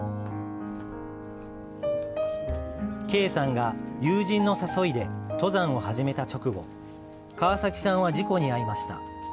慧さんが友人の誘いで登山を始めた直後、川崎さんは事故に遭いました。